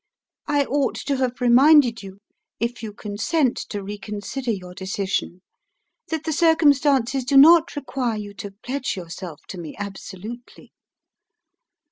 "I ought to have reminded you if you consent to reconsider your decision that the circumstances do not require you to pledge yourself to me absolutely.